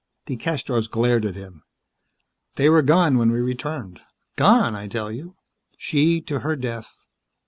DeCastros glared at him. "They were gone when we returned. Gone, I tell you! She, to her death.